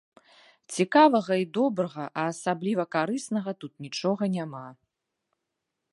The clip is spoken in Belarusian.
Цікавага і добрага, а асабліва карыснага тут нічога няма.